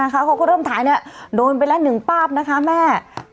เขาก็เริ่มถ่ายโดนไปละ๑ป้าบนะคะแม่